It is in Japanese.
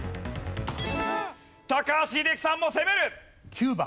高橋英樹さんも攻める！